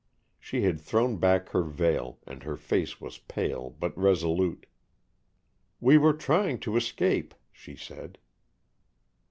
She had thrown back her veil, and her face was pale, but resolute. "We were trying to escape," she said.